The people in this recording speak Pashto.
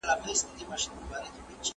هغوی پرون تر ناوخته خبرې کولې.